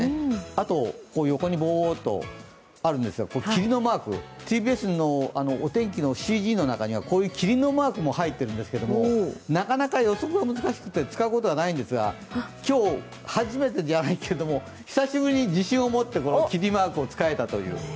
あと、横にぼーっとあるんですが、霧のマークＴＢＳのお天気のＣＧの中にはこういう霧のマークも入っているんですけどなかなか予測が難しくて使うことがないんですが今日、初めてじゃないけど久しぶりに自信を持って霧マークを使えたという。